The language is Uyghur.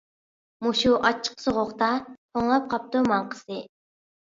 مۇشۇ ئاچچىق سوغۇقتا، توڭلاپ قاپتۇ ماڭقىسى.